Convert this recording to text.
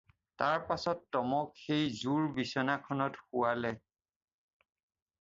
তাৰ পাছত টমক সেই জুৰ বিছনাখনত শুৱালে।